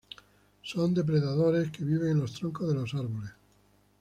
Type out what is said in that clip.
Son depredadores que viven en los troncos de los árboles.